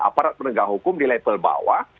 aparat penegak hukum di level bawah